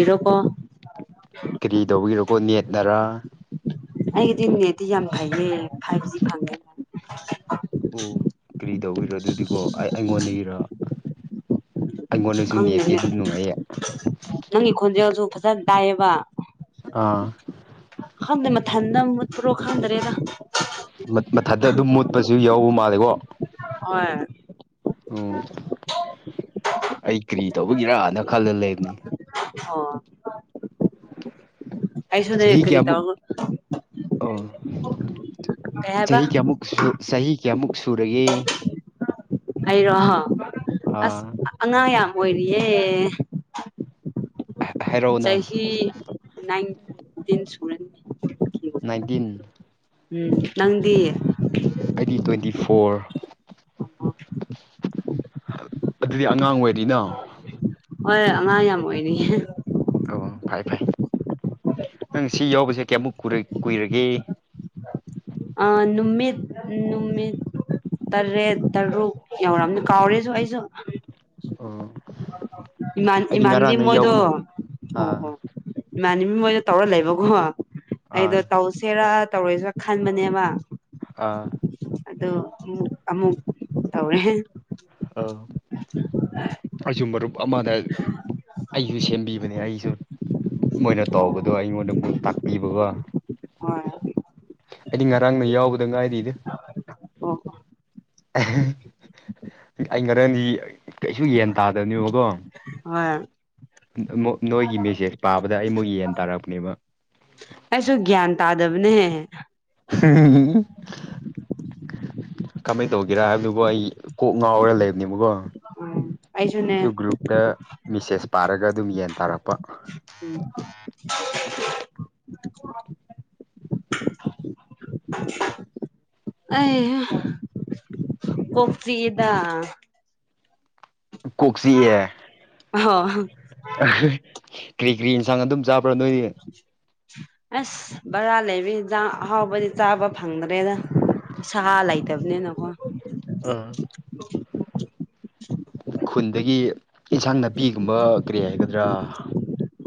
ꯏꯔꯣ ꯀꯣ ꯀꯔꯤ ꯇꯧꯕꯤꯔꯣꯀꯣ ꯅꯦꯠꯅꯔꯥ ꯑꯩꯒꯤꯗꯤ ꯅꯦꯠꯇꯤ ꯌꯥꯝ ꯐꯩꯌꯦꯩ ꯐꯥꯏꯚꯖꯤ ꯐꯪꯉꯦ ꯑꯣ ꯀꯔꯤ ꯇꯧꯔꯣ ꯑꯗꯨꯗꯤꯀꯣ ꯑꯩ ꯑꯩꯉꯣꯟꯗꯒꯤꯔ ꯑꯩꯉꯣꯟꯗꯁꯨ ꯅꯦꯠꯇꯤ ꯈꯪꯗꯦꯅꯦ ꯑꯗꯨꯝ ꯅꯨꯡꯉꯥꯏꯌꯦ ꯅꯪꯒꯤ ꯈꯣꯟꯖꯦꯜꯁꯨ ꯐꯖꯅ ꯇꯏꯌꯦꯕ ꯑꯥ ꯋꯥꯗ ꯃꯊ ꯃꯊꯛꯇ ꯑꯗꯨꯝ ꯃꯨꯠꯄꯁꯨ ꯌꯥꯎꯕ ꯃꯥꯜꯂꯦꯀꯣ ꯍ ꯑꯣ ꯑꯩ ꯀꯔꯤ ꯇꯧꯕꯒꯤꯔꯅ ꯈꯜꯂ ꯂꯩꯕꯅꯤ ꯑꯣ ꯑꯩꯁꯨꯅꯦ ꯆꯍꯤ ꯀꯔꯤ ꯀꯌꯥ ꯑꯃꯨꯛ ꯇꯧꯔ ꯑꯣ ꯀꯩ ꯍꯥꯏꯕ ꯆꯍꯤ ꯀꯌꯥꯃꯨꯛ ꯆꯍꯤ ꯀꯌꯥꯃꯨꯛ ꯁꯨꯔꯒꯦ ꯑꯩꯔꯣ ꯑꯁ ꯑꯥ ꯑꯉꯥꯡ ꯌꯥꯝ ꯑꯣꯏꯔꯤꯌꯦ ꯍꯥꯏꯔꯛꯑꯣꯅ ꯆꯍꯤ ꯅꯥꯏꯟ ꯇꯤꯟ ꯁꯨꯔ ꯒꯤꯟ ꯎꯝ ꯅꯪꯗꯤ ꯑꯩꯗꯤ ꯇ꯭ꯋꯦꯟꯇꯤ ꯐꯣꯔ ꯑꯗꯨꯗꯤ ꯑꯉꯥꯡ ꯑꯣꯏꯔꯤꯅꯣ ꯍꯣꯏꯣꯏ ꯑꯉꯥꯡ ꯌꯥꯝ ꯑꯣꯏꯅꯤ ꯑꯣ ꯐꯩ ꯐꯩ ꯅꯪ ꯁꯤ ꯌꯥꯎꯕꯁꯦ ꯀꯌꯥꯃꯨꯛ ꯀꯨꯏꯔꯒꯦ ꯑ ꯅꯨꯃꯤꯠ ꯅꯨꯃꯤꯠ ꯇꯔꯦꯠ ꯇꯔꯨꯛ ꯌꯧꯔꯝꯅ ꯀꯥꯎꯔꯦꯁꯨ ꯑꯩꯁꯨ ꯑꯣ ꯑꯩꯗꯤ ꯏꯃꯥꯟꯒꯤ ꯉꯔꯥꯡꯅ ꯃꯣꯏꯗꯣ ꯌꯥꯎꯕꯅꯤ ꯑꯣ ꯑꯥ ꯍ ꯏꯃꯥꯟꯅꯕꯤ ꯃꯣꯏꯅ ꯇꯧꯔ ꯂꯩꯕꯀꯣ ꯑꯩꯗꯣ ꯑꯥ ꯇꯧꯁꯦꯔꯥ ꯇꯧꯔꯣꯏꯁꯤꯔꯥ ꯈꯟꯕꯅꯦꯕ ꯑꯥ ꯑꯗꯣ ꯑꯃꯨꯛ ꯑꯃꯨꯛ ꯇꯧꯔꯦ ꯑ ꯑꯆꯨꯝ ꯃꯔꯨꯞ ꯑꯃꯅ ꯑꯩꯁꯨ ꯁꯦꯝꯕꯤꯕꯅꯦ ꯑꯩꯁꯨ ꯃꯣꯏꯅ ꯑꯣ ꯇꯧꯕꯗꯣ ꯑꯩꯉꯣꯟꯗ ꯑꯃꯨꯛ ꯇꯥꯛꯄꯤꯕꯒ ꯍꯣꯏ ꯑꯩꯗꯤ ꯉꯔꯥꯡꯅ ꯌꯥꯎꯕꯗ ꯉꯥꯏꯔꯤꯗ ꯑꯣ ꯑꯩ ꯉꯔꯦꯟꯗꯤ ꯀꯩꯁꯨ ꯌꯦꯟ ꯇꯥꯗꯕꯅꯦꯕꯀꯣ ꯑ ꯅꯣꯏꯒꯤ ꯃꯦꯁꯦꯁ ꯄꯥꯕꯗ ꯑꯩ ꯃꯨꯛ ꯌꯦꯟ ꯇꯥꯔꯛꯄꯅꯦꯕ ꯑꯩꯁꯨ ꯒ꯭ꯌꯥꯟ ꯇꯥꯗꯕꯅꯦꯍꯦ ꯎꯝ ꯀꯃꯥꯏ ꯇꯧꯒꯦꯔꯥ ꯍꯥꯏꯕꯗꯨꯒꯣ ꯑꯩ ꯀꯣꯛ ꯉꯥꯎꯔꯒ ꯂꯩꯕꯅꯦꯕꯀꯣ ꯑꯩꯁꯨꯨꯅꯦ ꯑꯗꯨ ꯒ꯭ꯔꯨꯞꯇ ꯃꯦꯁꯦꯁ ꯄꯥꯔꯒ ꯑꯗꯨꯝ ꯌꯦꯟ ꯇꯥꯔꯛꯄ ꯎꯝ ꯑ ꯄꯣꯈꯔꯤꯗ ꯀꯣꯛꯁꯤ ꯑꯦ ꯍ ꯀꯔꯤ ꯀꯔꯤ ꯌꯦꯟꯁꯥꯡ ꯑꯗꯨꯝ ꯆꯥꯕ꯭ꯔꯣ ꯅꯣꯏꯗꯤ ꯑꯁ ꯕꯖꯥꯔ ꯂꯩꯕꯤꯖꯥꯛ ꯑꯍꯥꯎꯕꯗꯤ ꯆꯥꯕ ꯐꯪꯗ꯭ꯔꯦꯗ ꯁꯍꯏꯗꯕꯅꯦꯅ ꯋꯥ ꯑꯥ ꯈꯨꯟꯗꯒꯤ ꯑꯦꯟꯁꯥꯡ ꯅꯥꯄꯤꯒꯨꯝꯕ ꯀꯔꯤ ꯍꯥꯏꯒꯗ꯭ꯔꯥ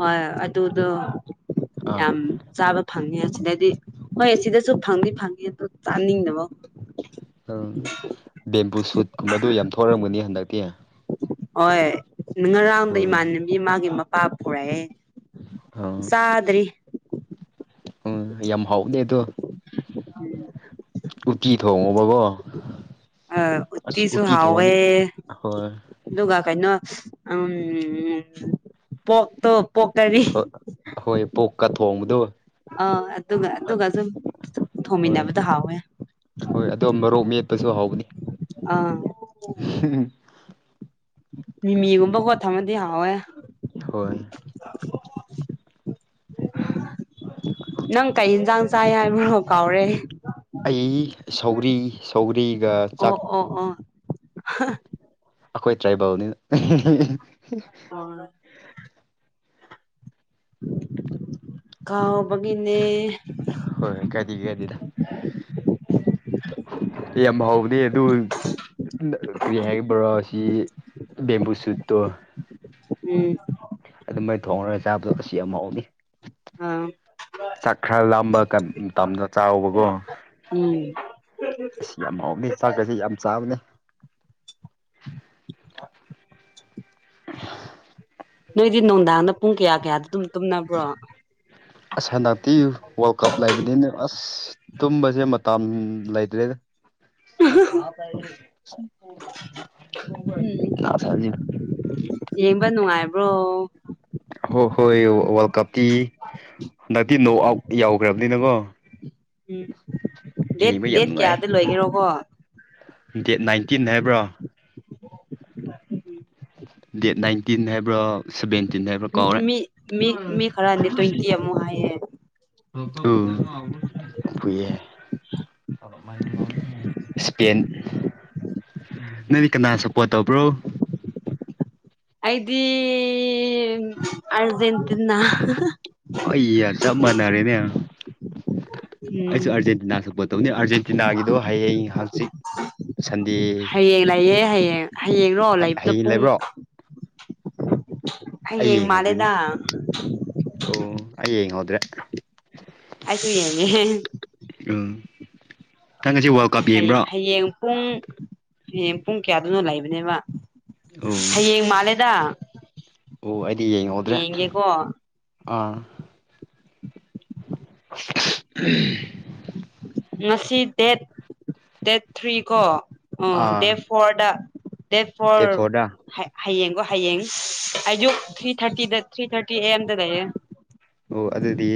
ꯍꯣꯏ ꯑꯗꯨꯗꯣ ꯑꯥ ꯌꯥꯝ ꯆꯥꯕ ꯐꯪꯉꯦ ꯁꯤꯗꯗꯤ ꯍꯣꯏ ꯁꯤꯗꯁꯨ ꯐꯪꯅꯤ ꯐꯪꯉ ꯑꯗꯨ ꯆꯥꯅꯤꯡꯗꯕ ꯎꯝ ꯕꯦꯝꯕꯨ ꯁꯨꯠꯀꯨꯝꯕꯗꯨ ꯌꯥꯝ ꯊꯣꯛꯑꯔꯝꯒꯅꯤ ꯍꯟꯗꯛꯇꯤ ꯍꯣꯏ ꯅ ꯉꯔꯥꯡꯗ ꯍꯣꯏ ꯏꯃꯥꯟꯅꯕꯤ ꯃꯥꯒꯤ ꯃꯄꯥ ꯄꯨꯔꯛꯑꯦ ꯑꯥ ꯁꯥꯗ꯭ꯔꯤ ꯎꯝ ꯌꯥꯝ ꯍꯥꯎꯗꯦ ꯑꯗꯣ ꯎꯇꯤ ꯊꯣꯡꯉꯣꯕꯕꯣ ꯑ ꯎꯠꯇꯁꯨ ꯍꯋꯦ ꯍꯣꯏ ꯂꯒ ꯀꯩꯅꯣ ꯎ ꯄꯣꯛꯛꯇꯣ ꯄꯣꯛꯀꯔꯤ ꯍꯣꯏ ꯍꯣꯏ ꯄꯣꯛꯀ ꯊꯣꯡꯕꯗꯣ ꯑ ꯑꯗꯨꯒ ꯑꯗꯨꯒ ꯁꯨꯝ ꯍꯣꯏ ꯊꯣꯡꯃꯤꯟꯅꯕꯗꯣ ꯍꯥꯎꯋꯦ ꯁꯨ ꯍꯒꯅꯤ ꯑꯥ ꯃꯤꯃꯤꯒꯨꯝꯕ ꯀꯣ ꯊꯃꯗꯤ ꯍꯥꯎꯋꯦ ꯍꯣꯏ ꯑꯣ ꯅꯪ ꯀꯩ ꯌꯦꯟꯁꯥꯡ ꯆꯥꯏ ꯍꯥꯏꯕꯅꯣ ꯀꯥꯎꯔꯦ ꯑꯩ ꯁꯧꯔꯤ ꯁꯧꯔꯤ ꯑꯣ ꯑꯣ ꯑꯣ ꯑꯩꯈꯣꯏ ꯇ꯭ꯔꯥꯏꯕꯦꯜꯅꯤ ꯑꯣ ꯈꯥꯎꯑꯣ ꯒꯤꯅꯦ ꯍꯣꯏ [unintelligible] ꯑꯦ ꯌꯥꯝ ꯍꯥꯎꯕꯅꯦ ꯑꯗꯨ ꯀꯔꯤ ꯍꯥꯏ ꯣꯔꯣ ꯁꯤ ꯕꯦꯝꯕꯨ ꯁꯨꯠꯇꯣ ꯎꯝ ꯑꯗꯨ ꯃꯥꯏ ꯊꯣꯡꯉꯔꯒ ꯆꯥꯕꯗꯣ ꯑꯁꯤ ꯌꯥꯝꯍꯥꯎꯅꯤ ꯑꯥ ꯆꯥꯛ ꯈꯔ ꯂꯝꯕ ꯇꯅ ꯆꯥꯎꯕꯀꯣ ꯎꯝ ꯑꯁ ꯌꯥꯝ ꯍꯥꯎꯅꯤ ꯆꯥꯛꯀꯁꯤ ꯌꯥꯝ ꯆꯥꯕꯅꯦ ꯅꯣꯏꯗꯤ ꯅꯨꯡꯗꯥꯡꯗ ꯄꯨꯡ ꯀꯌꯥ ꯀꯌꯥꯗ ꯑꯗꯨꯝ ꯇꯨꯝꯅꯕ꯭ꯔꯣ ꯑꯁ ꯍꯟꯗꯛꯇꯤ ꯋꯥꯔꯜ ꯀꯞ ꯂꯩꯕꯅꯤꯅꯦ ꯑꯁ ꯇꯨꯝꯕꯁꯦ ꯃꯇꯝ ꯂꯩꯇ꯭ꯔꯦꯗ ꯐꯥꯏꯖꯤ ꯌꯦꯡꯕ ꯅꯨꯡꯉꯥꯏꯕ꯭ꯔꯣ ꯍꯣꯏ ꯍꯣꯏ ꯋꯥꯔꯜ ꯀꯞꯇꯤ ꯍꯟꯗꯛꯇꯤ ꯅꯣ ꯑꯥꯎꯠ ꯌꯥꯎꯈ꯭ꯔꯕꯅꯤꯅꯀꯣ ꯎꯝ ꯗꯦꯠ ꯌꯦꯡꯕ ꯗꯦꯠ ꯌꯥꯝ ꯅꯨꯡꯉꯥꯏ ꯀꯌꯥꯗ ꯂꯣꯏꯒꯦꯔꯣꯀꯣ ꯗꯦꯠ ꯅꯥꯏꯟꯇꯤꯟ ꯍꯥꯏꯕ꯭ꯔꯣ ꯗꯦꯠ ꯅꯥꯏꯟꯇꯤꯟ ꯍꯥꯏꯕ꯭ꯔꯣ ꯁꯕꯦꯟ ꯇꯤꯟꯗꯥ ꯍꯥꯏꯕ꯭ꯔ ꯀꯥꯎꯔꯦ ꯃꯤ ꯃꯤ ꯃꯤ ꯈꯔꯗꯤ ꯇ꯭ꯋꯦꯟꯇꯤ ꯑꯃꯨꯛ ꯍꯥꯏꯌꯦ ꯎꯝ ꯐꯦ ꯏꯁꯄꯦꯟ ꯅꯪꯗꯤ ꯀꯅꯥꯁꯨꯄꯣꯠꯇꯕ꯭ꯔꯣ ꯑꯩꯗꯤ ꯑꯔꯖꯦꯟꯇꯤꯅꯥ ꯑꯩ ꯆꯞ ꯃꯥꯟꯅꯔꯦꯅꯦ ꯎꯝ ꯑꯩꯁꯨ ꯑꯔꯖꯦꯟꯇꯤꯅꯥ ꯁꯛꯄ ꯇꯧꯅꯤ ꯑꯥꯔꯖꯦꯟꯇꯤꯅꯥꯒꯤꯗꯣ ꯍꯌꯦꯡ ꯍꯥꯡꯆꯤꯠ ꯍꯌꯦꯡ ꯂꯩꯌꯦꯦ ꯍꯌꯦꯡ ꯍꯌꯦꯡꯔꯣ ꯍ- ꯂꯩꯕꯗꯣ ꯍꯌꯦꯡ ꯄꯨꯡ ꯂꯩꯕ꯭ꯔꯣ ꯑꯩ ꯍꯌꯦꯡ ꯌꯦꯡꯉꯧꯗ꯭ꯔꯤꯅꯤ ꯃꯥꯜꯂꯦꯗ ꯑꯣ ꯑꯩ ꯌꯦꯡꯉꯧꯗ꯭ꯔꯦ ꯑꯗꯨꯦ ꯑ ꯍ ꯍꯌꯦꯡ ꯄꯨꯡ ꯍꯌꯦꯡ ꯄꯨꯡ ꯀꯌꯥꯗꯨꯅ ꯂꯩꯕꯅꯦꯕ ꯑꯣ ꯍꯌꯦꯡ ꯃꯥꯜꯂꯦꯗ ꯑꯣ ꯑꯩꯗꯤ ꯌꯦꯡꯍꯧꯗ꯭ꯔꯦ ꯌꯦꯡꯒꯦꯀꯣ ꯑꯥ ꯎꯝ ꯉꯁꯤ ꯗꯦꯠ ꯗꯦꯠ ꯊ꯭ꯔꯤ ꯀꯣ ꯑꯣ ꯗꯦꯠ ꯑꯥ ꯐꯣꯔꯗ ꯗꯦꯠ ꯐꯣꯔ ꯍꯌꯦꯡꯒꯣ ꯍꯌꯦꯡ ꯍꯥꯏꯗꯣꯛ ꯊ꯭ꯔꯤ ꯊꯥꯔꯇꯤꯗ ꯊ꯭ꯔꯤ ꯊꯥꯔꯇꯤ ꯑ ꯑꯦꯝꯗ ꯂꯩꯌꯦ ꯑꯣ ꯑꯗꯨꯗꯤ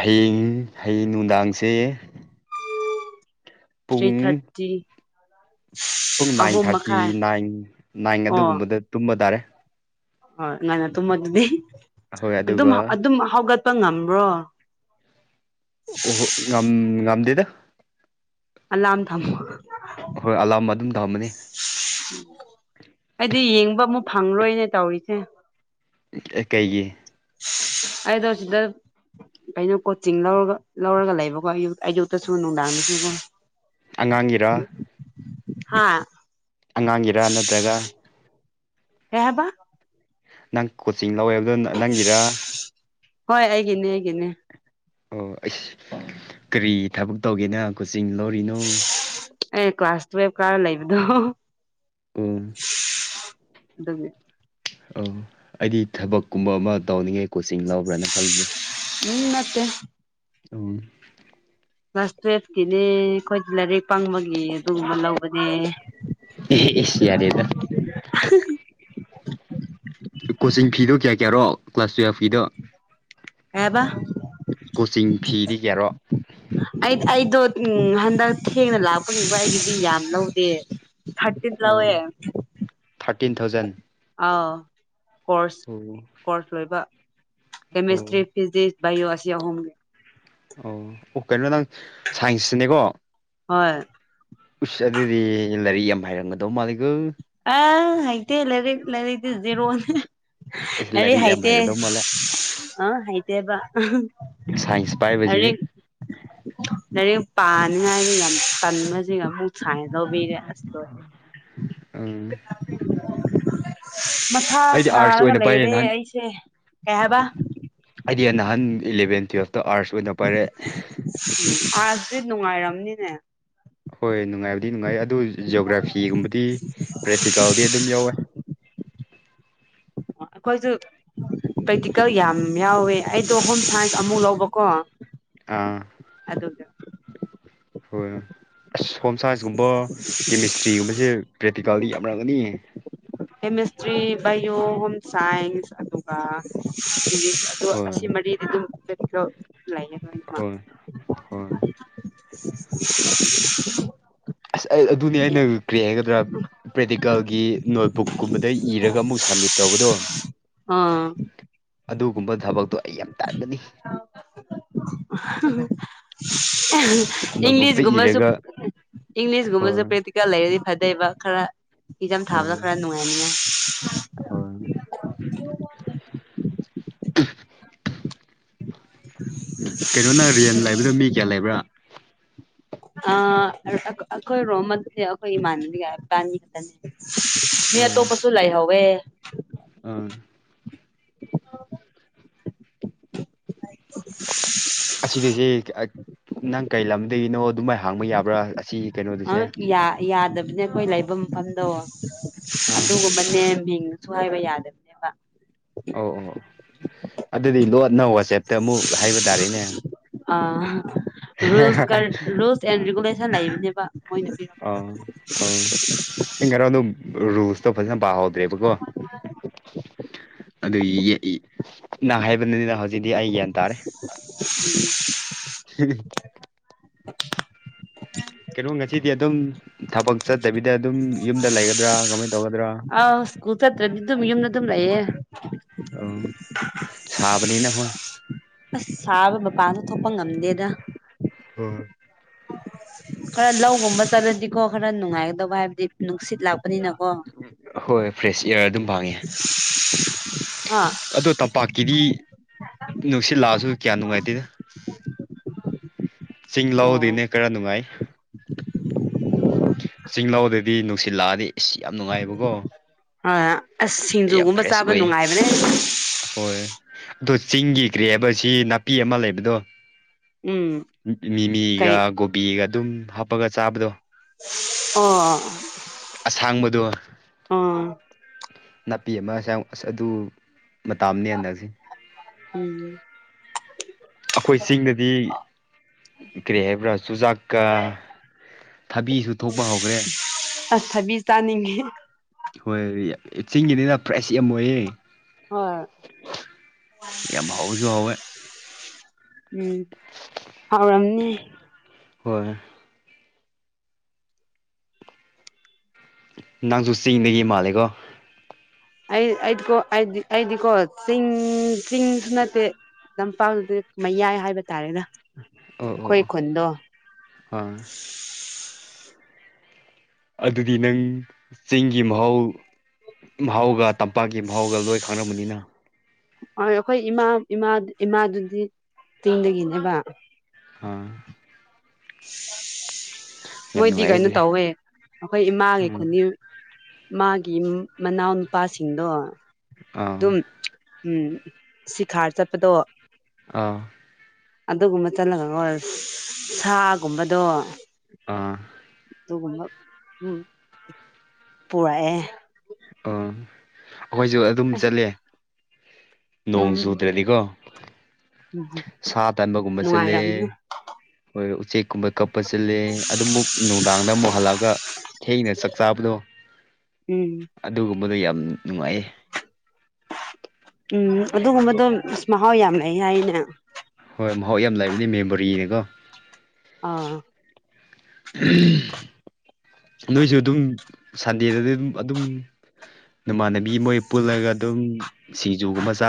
ꯍꯌꯦꯡ ꯍꯌꯦꯡ ꯅꯨꯡꯗꯥꯡꯁꯦ ꯊ꯭ꯔꯤ ꯄꯨꯡ ꯊꯥꯔꯇꯤ ꯄꯨꯡ ꯅꯥꯏꯟ ꯑꯍꯨꯝ ꯊꯥꯔꯇꯤ ꯃꯈꯥꯏ ꯅꯥꯏꯟ ꯅꯥꯏꯟ ꯑꯗꯨꯒꯨꯝꯕꯗ ꯇꯨꯝꯕ ꯇꯥꯔꯦ ꯍ ꯅꯅ ꯇꯃ ꯑꯗꯨꯗꯤ ꯍꯣꯏ ꯑꯗꯨꯝ ꯑꯗꯨꯒ ꯑꯗꯨꯝ ꯍꯧꯒ ꯆꯠꯄ ꯉꯝꯕ꯭ꯔꯣ ꯑꯣꯍꯣ ꯉꯝ ꯉꯝꯗꯗ ꯑꯜꯝ ꯊꯝ ꯍꯣꯏ ꯑꯂꯥꯝꯕ ꯑꯗꯨꯝ ꯇꯝꯃꯅꯤ ꯑꯩꯗꯤ ꯌꯦꯡꯕ ꯑꯃꯨ ꯐꯪꯔꯣꯏꯅꯦ ꯇꯧꯔꯤꯁꯦ ꯀꯩꯒꯤ ꯑꯗ ꯋꯥꯔꯁꯗ ꯀꯩꯅꯣ ꯀꯣꯆꯤꯡ ꯂꯧꯔ ꯂꯧꯔꯒ ꯂꯩꯕꯀꯣ ꯑꯌꯨꯛꯇꯁꯨ ꯅꯨꯡꯗꯥꯡ ꯁꯤꯒꯨꯝ ꯑꯉꯥꯡꯒꯤꯔꯥ ꯍꯥꯥ ꯑꯉꯥꯡꯒꯤꯔꯥ ꯅꯠꯇ꯭ꯔꯒ ꯔꯍꯕ ꯅꯪ ꯀꯣꯆꯤꯡ ꯂꯧꯋꯦꯕꯗꯣ ꯅꯪꯒꯤꯔ ꯍꯣꯏ ꯑꯩꯒꯤꯅꯦ ꯑꯩꯒꯤꯅꯦ ꯑꯣ ꯑꯩꯁ ꯀꯔꯤ ꯊꯕꯛ ꯇꯧꯒꯦꯅ ꯀꯨꯆꯤꯡ ꯂꯧꯔꯤꯅꯣ ꯇꯨꯋꯦꯕ ꯀꯥ ꯂꯩꯕꯗꯣ ꯎ ꯑꯗꯨꯕꯤ ꯑ ꯑꯩꯗꯤ ꯊꯕꯛꯀꯨꯝꯕ ꯑꯃ ꯇꯧꯅꯤꯡꯉꯦ ꯀꯣꯆꯤꯡ ꯂꯧꯕ꯭ꯔꯥꯅ ꯈꯟꯕ꯭ꯔꯦ [inaudible] ꯑ ꯀ꯭ꯂꯥꯁ ꯇꯨꯋꯜꯐꯀꯤꯅꯦ ꯑꯩꯈꯣꯏꯗꯤ ꯂꯥꯏꯔꯤꯛ ꯄꯪꯕꯒꯤ ꯑꯗꯨꯒꯨꯝꯕ ꯂꯧꯕꯅꯦ ꯑꯦꯁꯤꯌꯥꯔꯤꯗ [inaudible] ꯀꯣꯆꯤꯡ ꯐꯤꯗꯣ ꯀꯌꯥ ꯀꯌꯥꯔꯣ ꯀ꯭ꯂꯥꯁ ꯇꯨꯌꯦꯜꯐꯀꯤꯤꯗꯣ ꯍꯥꯏꯕ ꯀꯣꯆꯤꯡ ꯐꯤꯗꯤ ꯀꯦꯔꯣ ꯑꯗꯣ ꯎ ꯍꯟꯗꯛ ꯊꯦꯡꯅ ꯂꯥꯛꯄꯅꯤꯡꯕ ꯑꯩꯒꯤꯗꯤ ꯌꯥꯝ ꯂꯧꯗꯦ ꯊꯠꯇꯗꯂꯑꯦ ꯐꯤꯇꯤꯟ ꯊꯥꯎꯖꯟ ꯀꯣꯔꯁ ꯑꯣ ꯀꯣꯔꯁ ꯂꯣꯏꯕ ꯑꯣ ꯀꯦꯃꯦꯁꯇ꯭ꯔꯤ ꯐꯤꯖꯤꯛꯁ ꯏꯌꯣ ꯑꯁꯤ ꯌꯥꯍꯣꯡꯒꯦ ꯑꯣ ꯑꯣ ꯀꯩꯅꯣ ꯅꯪ ꯁꯥꯏꯟꯁꯁꯤꯅꯦꯀꯣ ꯍꯣꯏ ꯎꯁ ꯑꯗꯨꯗꯤ ꯂꯥꯏꯔꯤꯛ ꯌꯥꯝ ꯍꯥꯏꯔꯝꯒꯗꯧ ꯃꯥꯜꯂꯤꯒ ꯑ ꯑꯥꯏꯇ ꯂꯔꯤ ꯂ ꯂꯩꯔꯤ ꯖꯦꯔꯣ ꯑꯩꯁ ꯑꯔꯤ ꯂꯥꯏꯔꯤꯛ ꯌꯥꯝ ꯍꯥꯏꯥꯏꯇ ꯍꯩꯒꯗꯧ ꯃꯥꯜꯂꯦ ꯑ ꯍꯥꯏꯥꯏꯇꯕ ꯁꯥꯏꯟꯁ ꯄꯥꯏꯕꯁꯤꯗꯤ ꯔꯦꯡ ꯄꯥꯅꯤꯡꯉꯥꯏꯒ ꯌꯥꯝ ꯀꯟꯕ ꯁꯤꯒ ꯑꯃꯨꯛ ꯁꯥꯡꯉꯗꯧꯕꯤꯔꯦ ꯑꯁ ꯂꯣꯏꯔꯦ ꯎꯝ ꯃꯊꯥ ꯑꯩꯗꯤ ꯑꯥꯔꯠꯁ ꯁꯥꯔꯒ ꯑꯣꯏꯅ ꯄꯥꯏꯔꯦ ꯂꯩꯔꯦ ꯅꯍꯥꯟ ꯑꯩꯁꯦ ꯀꯩ ꯍꯥꯏꯕ ꯑꯩꯗꯤ ꯅꯍꯥꯟ ꯏꯂꯚꯦꯟ ꯇꯨꯌꯦꯜꯐꯇ ꯑꯥꯔꯁ ꯑꯣꯏꯅ ꯄꯥꯏꯔꯛꯑꯦ ꯑꯥꯥꯁꯗꯤ ꯅꯨꯡꯉꯥꯏꯔꯝꯅꯤꯅꯦ ꯍꯣꯏ ꯅꯨꯡꯉꯥꯏꯕꯗꯤ ꯅꯨꯡꯉꯥꯏ ꯑꯗꯨ ꯖꯤꯑꯣꯒ꯭ꯔꯥꯐꯤꯒꯨꯝꯕꯗꯤ ꯄ꯭ꯔꯦꯛꯇꯤꯀꯦꯜꯗꯤ ꯑꯗꯨꯝ ꯌꯥꯎꯋꯦ ꯀꯣꯏꯁꯨ ꯄ꯭ꯔꯦꯛꯇꯤꯀꯦꯜ ꯌꯥꯝ ꯌꯥꯎꯋꯦ ꯑꯩꯗꯣ ꯍꯣꯝ ꯁꯥꯏꯟꯁ ꯑꯃꯨꯛ ꯂꯧꯕꯀꯣ ꯑꯥ ꯗ ꯍꯣꯏ ꯑꯁ ꯍꯣꯝ ꯁꯥꯏꯟꯁꯀꯨꯝꯕ ꯀꯦꯃꯤꯁꯇ꯭ꯔꯤꯒꯨꯝꯕꯁꯦ ꯄ꯭ꯔꯦꯛꯇꯤꯀꯦꯜꯗꯤ ꯌꯥꯝ ꯭ꯔꯒꯗꯤ ꯀꯦꯃꯤꯁꯇ꯭ꯔꯤ ꯕꯥꯌꯣ ꯍꯝ ꯁꯥꯏꯟꯁ ꯑꯗꯨꯒ ꯑ ꯍꯣꯏ ꯑꯁꯤ ꯃꯔꯤꯗꯤ ꯑꯗꯨꯝꯈ꯭ꯔꯣ ꯍꯣꯏ ꯍꯣꯏ [unintelligible] ꯑꯁ ꯑꯩ ꯑꯗꯨꯅꯤ ꯑꯩꯅ ꯀ꯭ꯔꯦ ꯍꯥꯏꯒꯗ꯭ꯔꯥ ꯄ꯭ꯔꯦꯛꯇꯤꯀꯜꯒꯤ ꯅꯣꯠꯕꯨꯛ ꯀꯨꯝꯕꯗ ꯏꯔꯒ ꯑꯃꯨꯛ ꯁꯝꯃꯤꯠ ꯇꯧꯕꯗꯣ ꯑꯥ ꯑꯗꯨꯒꯨꯝꯕ ꯊꯕꯛꯇꯣ ꯑꯩ ꯌꯥꯝ ꯇꯥꯟꯒꯅꯤ ꯅꯣꯠꯕꯨꯛꯇ ꯏꯪꯂꯤꯁꯒꯨꯝꯃꯁꯨ ꯏꯔꯒ ꯏꯪꯂꯤꯁ ꯍꯣꯏ ꯁꯤꯒꯨꯝꯕꯁ ꯄ꯭ꯔꯦꯛꯇꯤꯀꯦꯜ ꯂꯩꯔꯗꯤ ꯐꯥꯗꯩꯕ ꯈꯔ ꯏꯆꯝ ꯊꯥꯕꯗ ꯈꯔ ꯅꯨꯡꯉꯥꯏꯅꯤꯉꯥꯏ ꯍ ꯀꯩꯅꯣꯅ ꯔꯦꯟ ꯂꯩꯕꯗꯣ ꯃꯤ ꯀꯌꯥ ꯂꯩꯕ꯭ꯔꯥ ꯑ ꯑꯩꯈꯣꯏ ꯔꯣꯃꯜꯁꯦ ꯑꯩꯈꯣꯏ ꯏꯃꯥꯟ ꯈꯛꯇꯅꯦ ꯃꯤ ꯑꯣ ꯑꯇꯣꯞꯄꯁꯨ ꯂꯩꯥꯏꯍꯧꯋꯦ ꯑꯥ ꯑꯁꯤꯗꯩꯁꯤ ꯅꯪ ꯀꯔꯤ ꯂꯝꯗꯒꯤꯅꯣ ꯑꯗꯨꯃꯥꯏꯅ ꯍꯥꯡꯕ ꯌꯥꯕ꯭ꯔꯥ ꯑꯁꯤ ꯀꯩꯅꯣꯗꯨꯁꯦ ꯑꯥ ꯑ ꯌꯥꯗꯕꯅꯦ ꯑꯩꯈꯣꯏ ꯂꯩꯕ ꯃꯐꯝꯗꯣ ꯑꯗꯨꯒꯨꯝꯕꯅꯦ ꯃꯤꯦꯡꯅꯁꯨ ꯍꯥꯏꯕ ꯌꯥꯗꯕꯅꯦꯕ ꯑ ꯑꯣ ꯑꯗꯨꯗꯤ ꯂꯣꯟꯅ ꯋꯥꯆꯦꯞꯇ ꯑꯃꯨꯛ ꯍꯥꯏꯕ ꯇꯥꯔꯦꯅꯦ ꯑ ꯁ ꯔꯨꯜꯁ ꯑꯦꯟ ꯔꯤꯒꯨꯂꯦꯁꯟ ꯂꯩꯕꯅꯦꯕ ꯃꯣꯏꯅ ꯄꯤꯔꯛ ꯏ ꯀꯔ ꯑꯗꯨ ꯔꯨꯁ ꯣ ꯐꯖꯅ ꯄꯥꯍꯧꯗ꯭ꯔꯦꯕꯀꯣ ꯑꯗꯨꯒꯤ ꯅ ꯍꯥꯏꯕꯅꯤ ꯍꯧꯦ ꯎꯝ ꯍꯝ [unintelligible] ꯀꯩꯅꯣ ꯉꯁꯤꯗꯤ ꯑꯗꯨꯝ ꯊꯕꯛ ꯆꯠꯇꯕꯤꯗ ꯑꯗꯨꯝ ꯌꯨꯝꯗ ꯂꯩꯒꯗ꯭ꯔꯥ ꯀꯃꯥꯏ ꯇꯧꯒꯗ꯭ꯔꯥ ꯍ ꯑ ꯑꯁ ꯁꯥꯕ ꯃꯄꯥꯟꯗ ꯊꯣꯛꯄ ꯉꯝꯗꯦꯗ ꯎꯝ ꯈꯔ ꯂꯧꯒꯨꯝꯕ ꯆꯠꯂꯗꯤꯀꯣ ꯈꯔ ꯅꯨꯡꯉꯥꯏꯒꯗꯧꯕ ꯍꯥꯏꯕꯗꯤ ꯅꯨꯡꯁꯤꯠ ꯂꯥꯛꯄ ꯍꯣꯏ ꯐ꯭ꯔꯦꯁ ꯏꯌꯥꯔ ꯑꯗꯨꯝ ꯐꯥꯡꯉꯦ ꯑ ꯑꯗꯣ ꯇꯝꯄꯥꯛꯀꯤꯗꯤ ꯅꯨꯡꯁꯤꯠꯂꯛꯑꯁꯨ ꯀꯌꯥ ꯅꯨꯡꯉꯥꯏꯇꯦꯅ ꯆꯤꯡ ꯑꯣ ꯂꯗꯅꯦ ꯈꯔ ꯅꯨꯡꯉꯥꯏ ꯆꯤꯡꯂꯥꯎꯗꯗꯤ ꯅꯨꯡꯁꯤꯜꯂꯥꯛꯑꯗꯤ ꯏꯁ ꯌꯥꯝ ꯅꯨꯡꯉꯥꯏꯕꯀꯣ ꯑ ꯑꯁ ꯌꯥꯝ ꯁꯤꯡꯖꯨꯒꯨꯝꯕ ꯐ꯭ꯔꯦꯁ ꯆꯥꯕ ꯅꯨꯡꯉꯥꯏꯕꯅꯦ ꯑꯗꯨꯣ ꯆꯤꯡꯒꯤ ꯀ꯭ꯔꯦ ꯍꯥꯏꯕ ꯁꯤ ꯅꯥꯄꯤ ꯑꯃ ꯂꯩꯕꯗꯣ ꯎꯝ ꯃꯤꯃꯤꯒ ꯀꯩ ꯀꯣꯕꯤꯒ ꯑꯗꯨꯝ ꯍꯥꯞꯄꯒ ꯆꯥꯕꯗꯣ ꯑꯣ ꯊꯥꯡꯕꯗꯣ ꯑꯥ ꯅꯥꯄꯤ ꯑꯃꯁ ꯑꯁ ꯑꯗꯨ ꯃꯇꯥꯅꯦ ꯍꯗꯛꯁꯤ ꯍꯝ ꯑꯩꯈꯣꯏ ꯆꯤꯡꯗꯗꯤ ꯀꯔꯤ ꯍꯥꯏꯕ꯭ꯔꯥ ꯆꯨꯖꯥꯛꯀ ꯊꯕꯤꯁꯨ ꯊꯣꯛꯄ ꯍꯧꯈ꯭ꯔꯦ ꯑꯊꯕꯤ ꯇꯥꯅꯤꯡꯉꯦ ꯍꯣꯏ ꯆꯤꯡꯒꯤꯅꯤꯅ ꯄ꯭ꯔꯥꯏꯁ ꯌꯥꯝ ꯑꯣꯏꯌꯦꯦ ꯍꯣꯏ ꯌꯥꯝꯦꯝ ꯍꯧꯁꯨ ꯍꯦ ꯎꯝ ꯍꯥꯎꯔꯝꯅꯤ ꯍꯣꯏ ꯅꯪꯁꯨ ꯆꯤꯡꯗꯒꯤ ꯃꯥꯜꯂꯦꯀꯣ ꯑꯩ ꯑꯩꯗꯤꯀꯣ ꯑꯩꯗꯤ ꯑꯩꯗꯤꯀꯣ ꯆꯤꯡ ꯆꯤꯡꯁꯨ ꯅꯠꯇꯦ ꯂꯝꯄꯥꯛꯗꯤ ꯃꯌꯥꯏ ꯍꯥꯏꯕ ꯇꯥꯔꯦꯗ ꯑꯣ ꯑꯣ ꯑꯩꯈꯣꯏ ꯑꯣ ꯈꯨꯟꯗꯣ ꯑꯥ ꯑꯗꯨꯗꯤ ꯅꯪ ꯆꯤꯡꯒꯤ ꯃꯍꯥꯎ ꯃꯍꯥꯎꯒ ꯇꯝꯄꯥꯛꯀꯤ ꯃꯍꯥꯎꯒ ꯂꯣꯏ ꯈꯪꯝꯕꯅꯤꯅ ꯍꯣꯏ ꯑꯩꯈꯣꯏ ꯏꯃꯥ ꯏꯥ ꯏꯃꯥꯗꯨꯗꯤ ꯇꯤꯡꯗꯒꯤꯅꯦꯕ ꯑꯥ [inaudible] ꯌꯥꯝ ꯃꯣꯏꯗꯤ ꯅꯨꯡꯉꯥꯏꯌꯦ ꯀꯩꯅꯣ ꯑꯗꯨꯗꯤ ꯇꯧꯋꯦ ꯑꯩꯈꯣꯏ ꯏꯃꯥꯒꯤ ꯎꯝ ꯈꯨꯅꯤ ꯃꯥꯒꯤ ꯃꯅꯥꯎꯅꯨꯄꯥꯁꯤꯡꯗꯣ ꯑꯥ ꯎꯝ ꯁꯤꯈꯥꯔ ꯆꯠꯄꯗꯣ ꯑ ꯑꯗꯨꯒꯨꯝꯕ ꯆꯠꯂꯒꯀꯣ ꯁꯥꯒꯨꯝꯕꯗꯣ ꯑꯥ ꯑꯗꯨꯒꯨꯝꯕ ꯎꯝ ꯄꯨꯔꯛꯑꯦ ꯑꯣ ꯑꯩꯈꯣꯏꯁꯨ ꯑꯗꯨꯝ ꯑꯁ ꯆꯠꯂꯦ ꯅꯣꯡ ꯎꯝ ꯆꯨꯗ꯭ꯔꯗꯤꯀꯣ ꯎꯝ ꯁꯥ ꯇꯟꯥꯟꯕꯒꯨꯝꯕ ꯆꯠꯂꯦ ꯅꯨꯡꯉꯥꯏꯔꯝꯅꯤ ꯍꯣꯏ ꯎꯆꯦꯛꯀꯨꯝꯕ ꯀꯞꯄ ꯆꯂꯦ ꯑꯗꯨ ꯑꯃꯨꯛ ꯅꯨꯡꯗꯥꯡꯗ ꯑꯃꯨꯛ ꯍꯜꯂꯛꯑꯒ ꯊꯩꯅꯦ ꯁꯛꯁꯕꯗꯣ ꯎꯝ ꯇꯝꯕꯗ ꯌꯥꯝ ꯅꯨꯡꯉꯥꯏꯌꯦ ꯎꯝ ꯑꯗꯨꯒꯨꯝꯕꯗꯣ ꯃꯍꯥꯎ ꯌꯥꯝ ꯂꯩ ꯍꯥꯏꯅꯦ ꯍꯣꯏ ꯃꯍꯥꯎ ꯌꯥꯝ ꯂꯥꯏꯕꯗꯤ ꯃꯦꯃꯣꯔꯤꯅꯦꯀꯣ ꯑꯥ ꯅꯣꯏꯁꯨ ꯑꯗꯨꯝ ꯁꯟꯗꯦꯗꯗꯤ ꯑꯗꯨꯝ ꯑꯗꯨꯝ ꯅꯨꯃꯥꯟꯅꯕꯤ ꯃꯣꯏ ꯄꯨꯜꯂꯒ ꯑꯗꯨꯝ ꯖꯨꯒꯨꯝꯕ ꯆꯥꯔ